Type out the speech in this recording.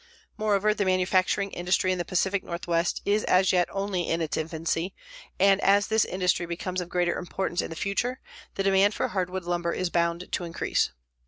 Moreover, the manufacturing industry in the Pacific Northwest is as yet only in its infancy, and as this industry becomes of greater importance in the future, the demand for hardwood lumber is bound to increase.